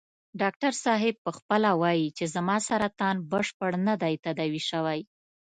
ډاکټر صاحب په خپله وايي چې زما سرطان بشپړ نه دی تداوي شوی.